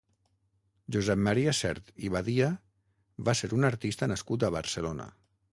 Josep Maria Sert i Badia va ser un artista nascut a Barcelona.